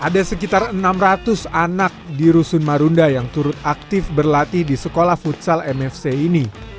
ada sekitar enam ratus anak di rusun marunda yang turut aktif berlatih di sekolah futsal mfc ini